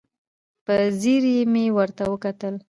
په ځیر مې ورته وکتل.